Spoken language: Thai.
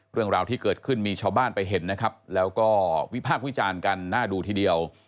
เรื่องราวที่เกิดขึ้นมีชาวบ้านไปเห็นนะครับแล้วก็วิพากษ์วิจารณ์กันน่าดูทีเดียว